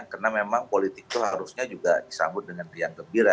karena memang politik itu harusnya juga disambut dengan riang kebira